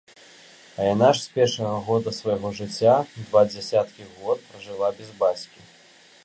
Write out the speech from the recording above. А яна ж з першага года свайго жыцця два дзесяткі год пражыла без бацькі.